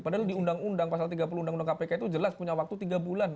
padahal di undang undang pasal tiga puluh undang undang kpk itu jelas punya waktu tiga bulan